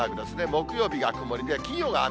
木曜日が曇りで、金曜が雨。